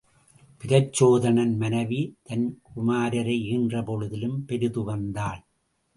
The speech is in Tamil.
பிரச்சோதனன் மனைவி தன் குமாரரை ஈன்ற பொழுதிலும் பெரிதுவந்தாள்.